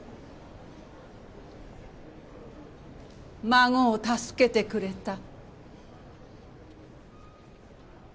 孫を助けてくれた。